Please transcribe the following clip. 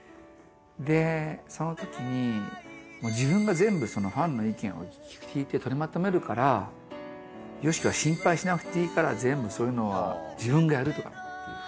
でその時に「自分が全部ファンの意見を聞いて取りまとめるからＹＯＳＨＩＫＩは心配しなくていいから全部そういうのは自分がやる」とかっていう。